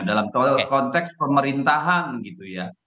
dalam konteks pemerintahan gitu ya